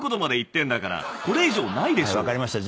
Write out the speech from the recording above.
分かりました。